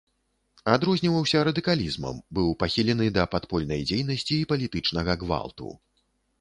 Адрозніваўся радыкалізмам, быў пахілены да падпольнай дзейнасці і палітычнага гвалту.